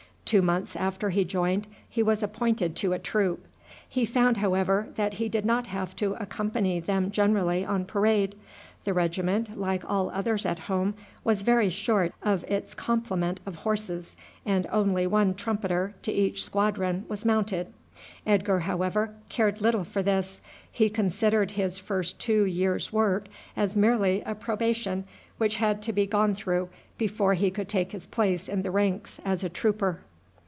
Two months after he joined he was appointed to a troop. He found, however, that he did not have to accompany them generally on parade. The regiment, like all others at home, was very short of its complement of horses, and only one trumpeter to each squadron was mounted. Edgar, however, cared little for this. He considered his first two years' work as merely a probation which had to be gone through before he could take his place in the ranks as a trooper.